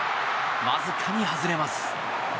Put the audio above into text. わずかに外れます。